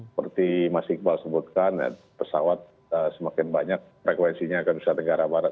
seperti mas iqbal sebutkan pesawat semakin banyak frekuensinya ke nusa tenggara barat